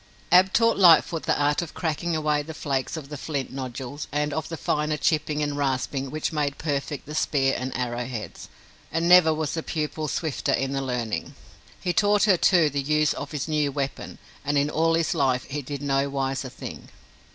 Ab taught Lightfoot the art of cracking away the flakes of the flint nodules and of the finer chipping and rasping which made perfect the spear and arrowheads, and never was pupil swifter in the learning. He taught her, too, the use of his new weapon, and in all his life he did no wiser thing!